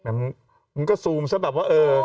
มันก็ซูมซะแบบว่าเออ